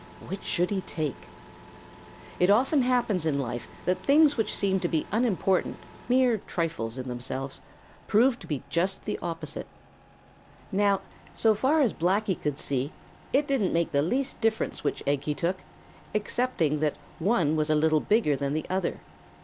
Which should he take? It often happens in this life that things which seem to be unimportant, mere trifles in themselves, prove to be just the opposite. Now, so far as Blacky could see, it didn't make the least difference which egg he took, excepting that one was a little bigger than the other.